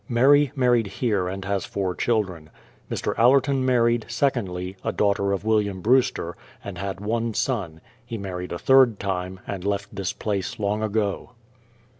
Mary married here and has four children. Mr. AUer ton married, secondly, a daughter of William Brewster, and had one son; he married a third time, and left this place long ago.